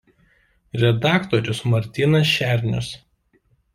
Redaktorius Martynas Šernius.